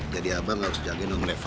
jadi abang gak usah jagain non refa